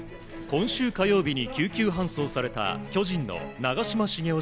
今週火曜日に救急搬送された巨人の長嶋茂雄